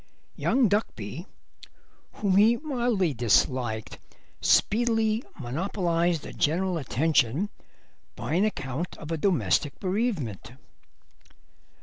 Young Duckby, whom he mildly disliked, speedily monopolised the general attention by an account of a domestic bereavement.